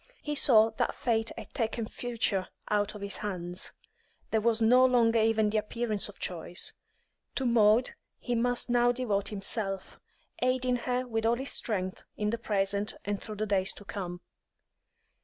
He saw that fate had taken the future out of his hands; there was no longer even the appearance of choice. To Maud he must now devote himself, aiding her with all his strength in the present and through the days to come.